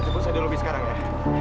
cepet saya di lobby sekarang ya